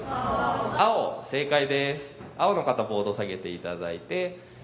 あお正解ですあおの方ボードを下げていただいて。